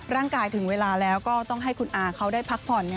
ถึงเวลาแล้วก็ต้องให้คุณอาเขาได้พักผ่อน